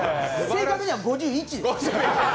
正確には５１です。